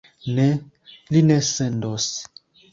Ne, li ne sendos.